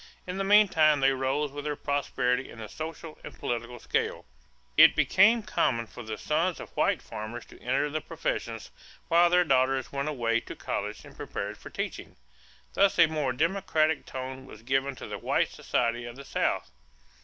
In the meantime they rose with their prosperity in the social and political scale. It became common for the sons of white farmers to enter the professions, while their daughters went away to college and prepared for teaching. Thus a more democratic tone was given to the white society of the South.